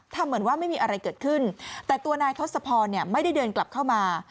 เหมือนว่าไม่มีอะไรเกิดขึ้นแต่ตัวนายทศพรเนี่ยไม่ได้เดินกลับเข้ามา